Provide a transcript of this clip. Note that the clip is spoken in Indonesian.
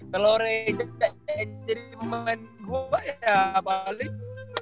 kalo rezeki jadi pemain gua ya paling